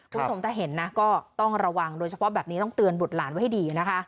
คุณผู้ชมถ้าเห็นนะก็ต้องระวังโดยเฉพาะแบบนี้ต้องเตือนบุตรหลานไว้ให้ดีนะคะ